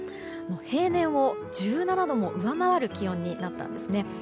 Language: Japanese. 平年を１７度も上回る気温になったんですね。